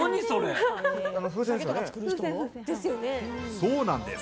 そうなんです。